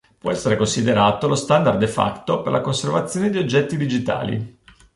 Può essere considerato lo standard "de facto" per la conservazione di oggetti digitali.